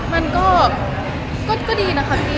มันก็ก็ดีนะครับพี่